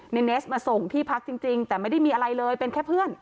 เนสมาส่งที่พักจริงแต่ไม่ได้มีอะไรเลยเป็นแค่เพื่อน